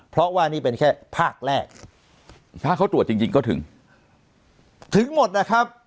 เพราะว่านี่เป็นแค่ภาคแรกภาคเขาตรวจจริงจริงก็ถึงถึงหมดนะครับ